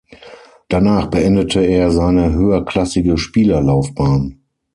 Danach beendete er seine höherklassige Spielerlaufbahn.